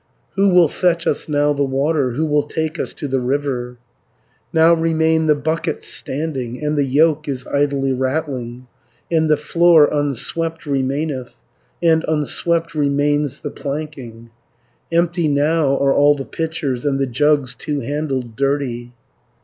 Who will fetch us now the water, Who will take us to the river? 490 "Now remain the buckets standing, And the yoke is idly rattling, And the floor unswept remaineth, And unswept remains the planking, Empty now are all the pitchers, And the jugs two handled dirty."